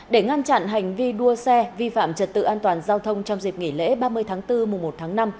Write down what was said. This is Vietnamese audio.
để ngăn chặn hành vi đua xe vi phạm trật tự an toàn giao thông trong dịp nghỉ lễ ba mươi tháng bốn mùa một tháng năm